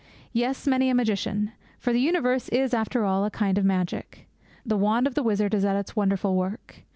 Yes, many a magician. For the universe is, after all, a kind of magic. The wand of the wizard is at its wonderful work.